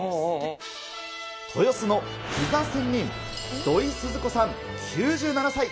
豊洲のピザ仙人、土井スズ子さん９７歳。